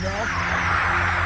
bangunlah tuhan adon